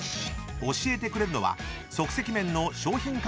［教えてくれるのは即席麺の商品